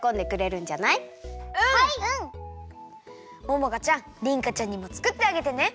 ももかちゃんりんかちゃんにもつくってあげてね！